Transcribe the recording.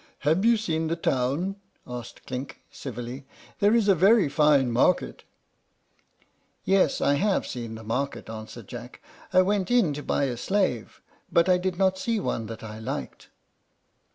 "Have you seen the town?" asked Clink, civilly; "there is a very fine market." "Yes, I have seen the market," answered Jack. "I went into it to buy a slave, but I did not see one that I liked."